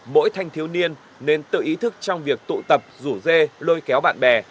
mỗi thanh thiếu niên nên tự ý thức trong việc tụ tập rủ dê lôi kéo bạn bè